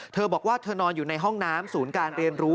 เธอบอกว่าเธอนอนอยู่ในห้องน้ำศูนย์การเรียนรู้